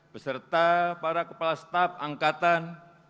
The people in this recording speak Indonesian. beserta para kepala staf angkatan